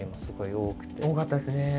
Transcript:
多かったですねえ。